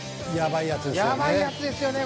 やばいやつですよね。